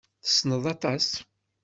Tessneḍ aṭas.